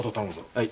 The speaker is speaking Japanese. はい。